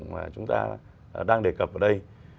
mà chúng ta đang đề cập ở đây